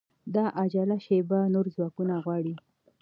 دا عاجله شېبه نور ځواکونه غواړي